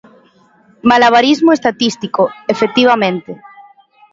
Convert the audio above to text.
Malabarismo estatístico, efectivamente.